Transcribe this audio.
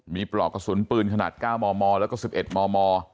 มีปลอกกระสุนปืนขนาด๙มมแล้วก็๑๑มม